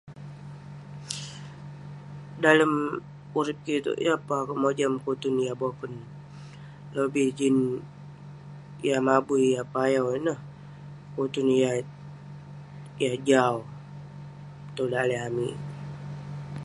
Dalem urip kik iteuk, yeng pun amik mojam kutun yah boken. Lobih jin yah mabui, yah payau ineh. Kutun yah- yah jau tong daleh amik.